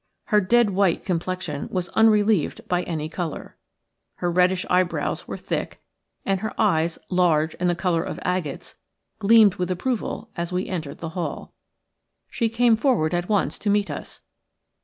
Her dead white complexion was unrelieved by any colour. Her reddish eyebrows were thick, and her eyes, large and the colour of agates, gleamed with approval as we entered the halL She came forward at once to meet us.